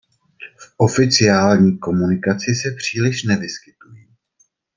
V oficiální komunikaci se příliš nevyskytují.